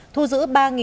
thu giữ ba bảy trăm linh